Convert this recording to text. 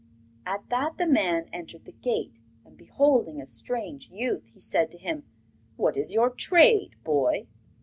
At that the man entered the gate, and beholding a strange youth, he said to him: 'What is your trade, boy?